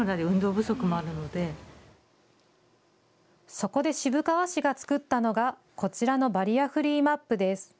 そこで渋川市が作ったのがこちらのバリアフリーマップです。